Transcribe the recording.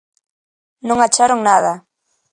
Non acharon nada.